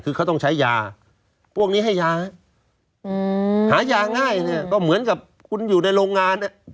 คือเขาต้องใช้ยาพวกนี้ให้ยาหายาง่ายเนี่ยก็เหมือนกับคุณอยู่ในโรงงานเนี่ย